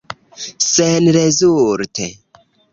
Senrezulte.